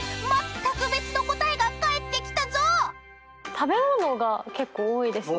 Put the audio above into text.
食べ物が結構多いですね。